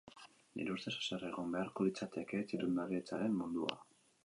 Nire ustez haserre egon beharko litzateke txirrindularitzaren mundua.